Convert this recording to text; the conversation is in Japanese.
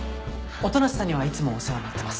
音無さんにはいつもお世話になってます。